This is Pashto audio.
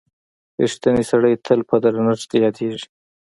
• رښتینی سړی تل په درنښت یادیږي.